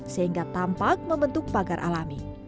sehingga tampak membentuk pagar alami